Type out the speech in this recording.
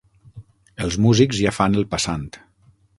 Els músics ja fan el passant.